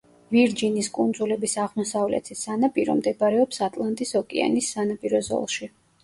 ვირჯინის კუნძულების აღმოსავლეთი სანაპირო მდებარეობს ატლანტის ოკეანის სანაპირო ზოლში.